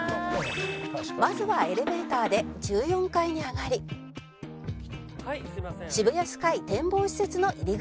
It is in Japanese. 「まずはエレベーターで１４階に上がり渋谷スカイ展望施設の入り口へ」